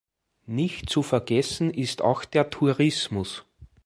Nicht zu vergessen ist auch der Tourismus.